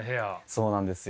そうなんですよ。